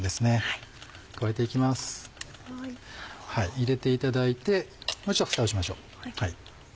入れていただいてもう一度ふたをしましょう。